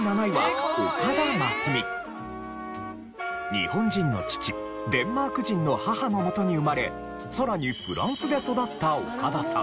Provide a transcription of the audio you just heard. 日本人の父デンマーク人の母のもとに生まれさらにフランスで育った岡田さん。